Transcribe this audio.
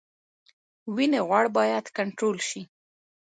وینې غوړ باید کنټرول شي